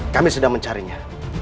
kami sedang mencarinya